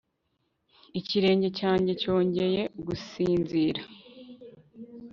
ikirenge cyanjye cyongeye gusinzira